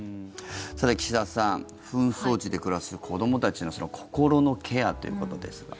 さて、岸田さん紛争地で暮らす子どもたちの心のケアということですが。